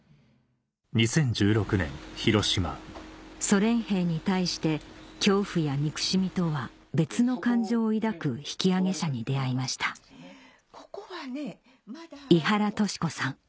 ソ連兵に対して恐怖や憎しみとは別の感情を抱く引き揚げ者に出会いました伊原敏子さん